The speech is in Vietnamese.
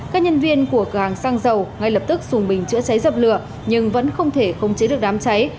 các nhân viên của cửa hàng xăng dầu ngay lập tức dùng bình chữa cháy dập lửa nhưng vẫn không thể khống chế được đám cháy